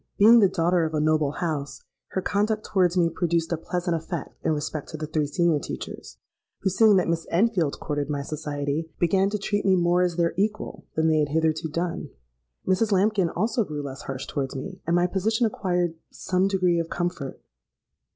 Being the daughter of a noble house, her conduct towards me produced a pleasant effect in respect to the three senior teachers, who, seeing that Miss Enfield courted my society, began to treat me more as their equal than they had hitherto done. Mrs. Lambkin also grew less harsh towards me; and my position acquired some degree of comfort.